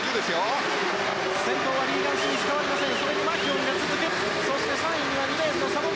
先頭はリーガン・スミス変わりません。